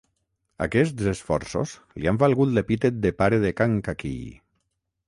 Aquests esforços li han valgut l'epítet de Pare de Kankakee.